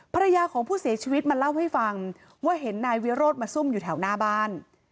ภรรยาของผู้เสียชีวิตมาเล่าให้ฟังว่าเห็นนายวิโรธมาซุ่มอยู่แถวหน้าบ้าน